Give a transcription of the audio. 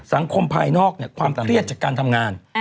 ภายนอกความเครียดจากการทำงาน